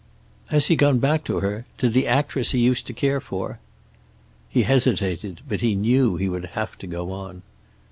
"Has he gone back to her? To the actress he used to care for?" He hesitated, but he knew he would have to go on.